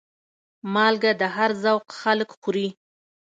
مالګه د هر ذوق خلک خوري.